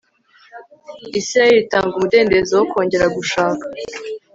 isirayeli itanga umudendezo wo kongera gushaka